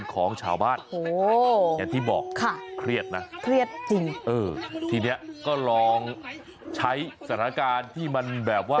ก็ลองใช้สถานการณ์ที่มันแบบว่า